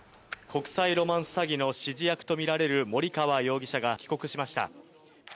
国際ロマンス詐欺の指示役とみられる、森川容疑者が帰国しました。